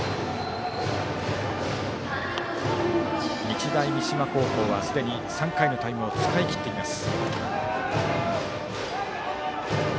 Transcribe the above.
日大三島高校はすでに３回のタイムを使い切っています。